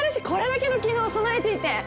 これだけの機能を備えていて。